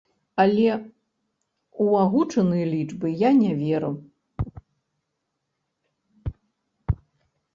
Але ў агучаныя лічбы я не веру.